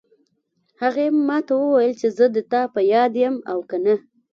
هغې ما ته وویل چې زه د تا په یاد یم او که نه